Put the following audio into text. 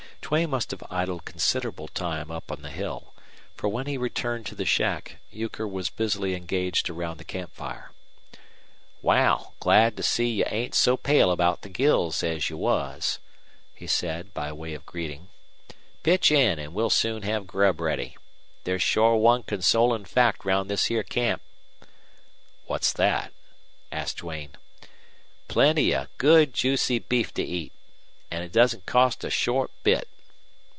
Duane must have idled considerable time up on the hill, for when he returned to the shack Euchre was busily engaged around the camp fire. "Wal, glad to see you ain't so pale about the gills as you was," he said, by way of greeting. "Pitch in an' we'll soon have grub ready. There's shore one consolin' fact round this here camp." "What's that?" asked Duane. "Plenty of good juicy beef to eat. An' it doesn't cost a short bit."